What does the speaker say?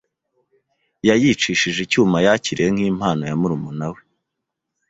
Yayicishije icyuma yakiriye nkimpano ya murumuna we